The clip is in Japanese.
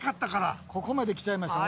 ここまで来ちゃいました。